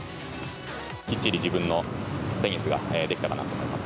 きっちり自分のテニスができたかなと思います。